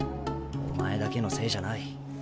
お前だけのせいじゃない。